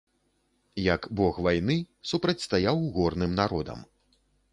Як бог вайны, супрацьстаяў горным народам.